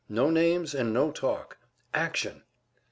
No names and no talk. Action!"